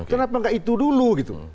kenapa enggak itu dulu